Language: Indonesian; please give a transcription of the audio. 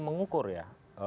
kita mau mengukur ya